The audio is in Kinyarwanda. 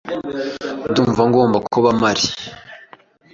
Ndumva ngomba kuba mpari.